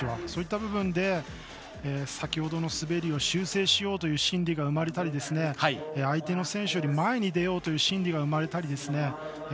そういった意味で先ほどの滑りを修正しようという心理が生まれたり相手の選手より前に出ようという心理が生まれたりですね